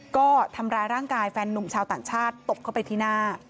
ก็ทำร้ายร่างกายแฟนนุ่มชาวต่างชาติตบเข้าไปที่หน้า